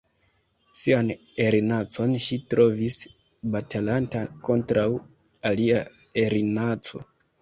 Sian erinacon ŝi trovis batalanta kontraŭ alia erinaco.